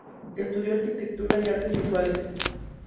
Estudió Arquitectura y Artes visuales.